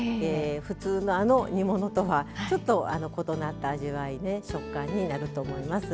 普通のあの煮物とはちょっと異なった味わいで食感になると思います。